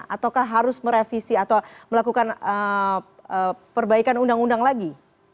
ataukah harus merevisi atau melakukan perbaikan undang undang lagi